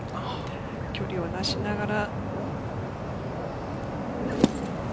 距離を出しながら。